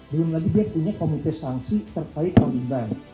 belum lagi dia punya komite sanksi terkait taliban